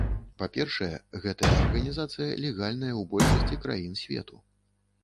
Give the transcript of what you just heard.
Па-першае, гэтая арганізацыя легальная ў большасці краін свету.